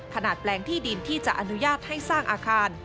แปลงที่ดินที่จะอนุญาตให้สร้างอาคาร